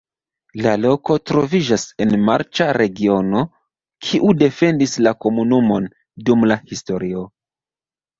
La loko troviĝas en marĉa regiono, kiu defendis la komunumon dum la historio.